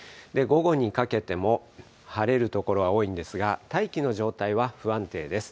午後にかけても、晴れる所は多いんですが、大気の状態は不安定です。